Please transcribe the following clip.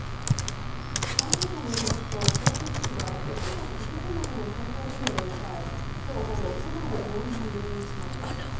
関係者によりますと小池知事は、せきが続くなどの体調不良を訴え、今日午後都内の病院に入院しました。